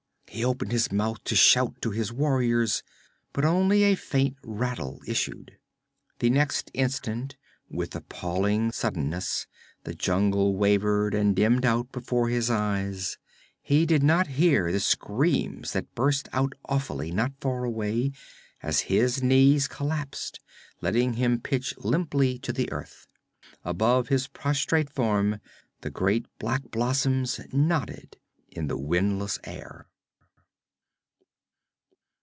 He opened his mouth to shout to his warriors, but only a faint rattle issued. The next instant, with appalling suddenness, the jungle waved and dimmed out before his eyes; he did not hear the screams that burst out awfully not far away, as his knees collapsed, letting him pitch limply to the earth. Above his prostrate form the great black blossoms nodded in the windless air.